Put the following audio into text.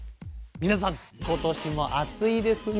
皆さん今年も暑いですね。